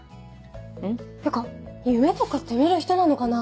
ん？ってか夢とかって見る人なのかな？